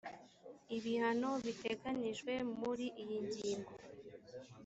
ibihano biteganyijwe muri iyi ngingo